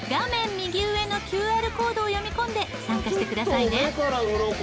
右上のＱＲコードを読み込んで参加してくださいね。